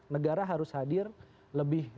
negara harus hadir lebih